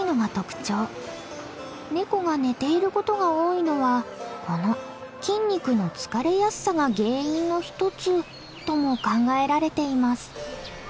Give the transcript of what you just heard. ネコが寝ていることが多いのはこの筋肉の疲れやすさが原因の一つとも考えられています。